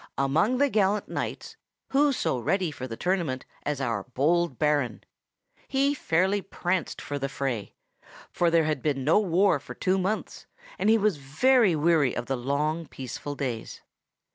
Among the gallant knights, who so ready for the tournament as our bold Baron? He fairly pranced for the fray; for there had been no war for two months, and he was very weary of the long peaceful days.